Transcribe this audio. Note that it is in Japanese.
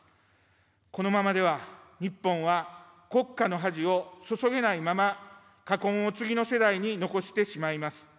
このままでは日本は国家の恥をそそげないまま、禍根を次の世代に残してしまいます。